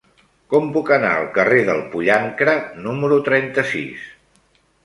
Com puc anar al carrer del Pollancre número trenta-sis?